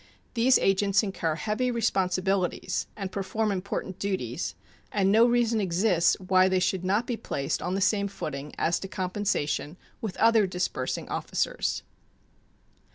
These agents incur heavy responsibilities and perform important duties, and no reason exists why they should not be placed on the same footing as to compensation with other disbursing officers.